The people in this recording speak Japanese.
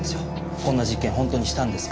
こんな実験ホントにしたんですか？